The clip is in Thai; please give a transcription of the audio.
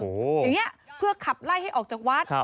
อย่างนี้เพื่อขับไล่ให้ออกจากวัด